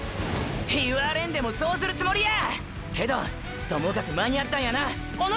言われんでもそうするつもりや！！けどともかく間に合ったんやな小野田くん！！